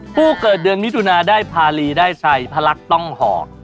ผู้เกิดเดือนมิถุนาได้ภารีได้ชัยพระลักษณ์ต้องหอก